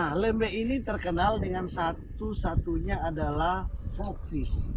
nah lembeh ini terkenal dengan satu satunya adalah frog fish